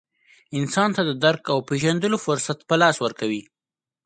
انسان ته د درک او پېژندلو فرصت په لاس ورکوي.